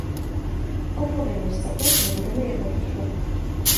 Odpovědnost za to, že budeme jednat rychle.